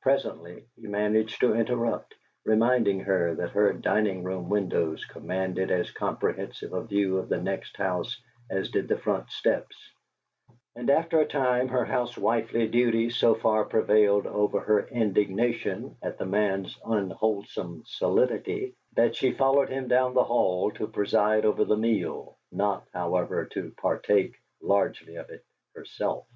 Presently he managed to interrupt, reminding her that her dining room windows commanded as comprehensive a view of the next house as did the front steps, and after a time her housewifely duty so far prevailed over her indignation at the man's unwholesome stolidity that she followed him down the hall to preside over the meal, not, however, to partake largely of it herself.